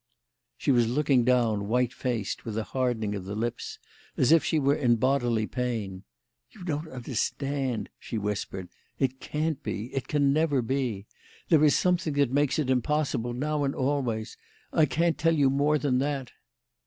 She was looking down, white faced, with a hardening of the lips as if she were in bodily pain. "You don't understand," she whispered. "It can't be it can never be. There is something that makes it impossible, now and always. I can't tell you more than that."